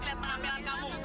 lihat pengampilan kamu